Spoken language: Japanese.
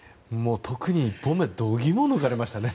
特に１本目度肝を抜かれましたね。